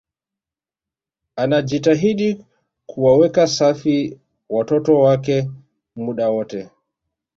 anajitahidi kuwaweka safi watoto wake muda wote